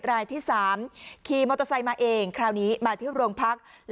รายที่๓ขี่มอเตอร์ไซค์มาเองคราวนี้มาที่โรงพัก